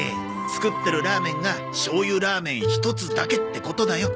作ってるラーメンがしょうゆラーメン一つだけってことだよ。